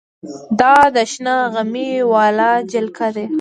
دا د شنه غمي واله جلکۍ ده.